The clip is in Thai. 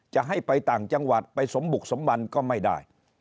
จะให้ไปต่างจังหวัดไปสมบุกสมบันก็ไม่ได้